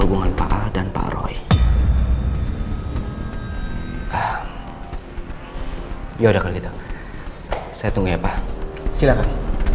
hubungan pak dan pak roy ya udah kalau gitu saya tunggu ya pak silakan